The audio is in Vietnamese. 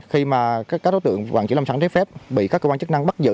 khi mà các đối tượng vận chuyển lâm sản trái phép bị các công an chức năng bắt giữ